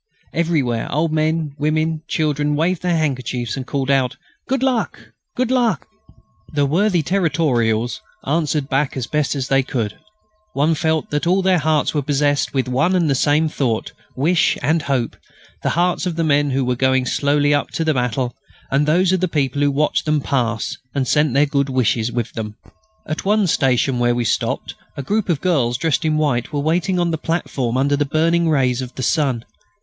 Everywhere old men, women and children waved their handkerchiefs and called out, "Good luck!... Good luck!" The worthy Territorials answered back as best they could. One felt that all hearts were possessed with one and the same thought, wish, and hope, the hearts of the men who were going slowly up to battle, and those of the people who watched them pass and sent their good wishes with them. At one station where we stopped a group of girls dressed in white were waiting on the platform under the burning rays of the sun.